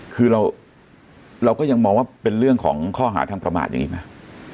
คือเราก็ยังมองว่าเป็นเรื่องของข้อหาทางประมาทอย่างนี้ไหม